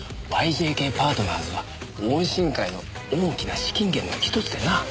ＹＪＫパートナーズは桜心会の大きな資金源の一つでな。